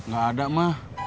gak ada mah